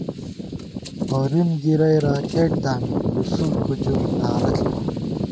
ہورِم گِرَئی راکېٹ دامی، یوسف گُجر نعرہ ݪِمان